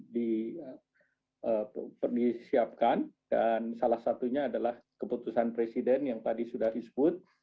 disiapkan dan salah satunya adalah keputusan presiden yang tadi sudah disebut